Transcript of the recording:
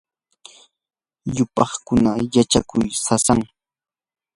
yupaykuna yachakuy sasam.